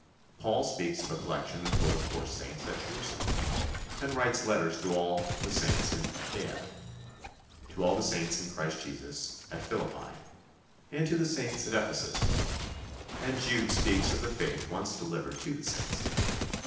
Paul speaks of a collection for the poor saints at Jerusalem, and writes letters to all the saints in Achaia, to all the saints in Christ Jesus at Philippi, and to the saints at Ephesus; and Jude speaks of the faith once delivered to the saints.